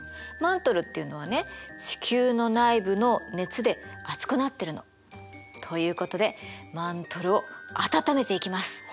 マントルっていうのはね地球の内部の熱で熱くなってるの。ということでマントルを温めていきます。